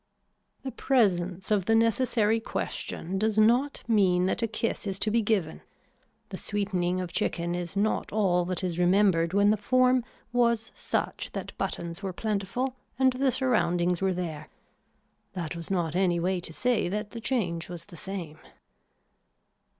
The presence of the necessary question does not mean that a kiss is to be given. The sweetening of chicken is not all that is remembered when the form was such that buttons were plentiful and the surroundings were there. That was not any way to say that the change was the same.